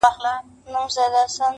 • دوه جواله یې پر اوښ وه را بارکړي,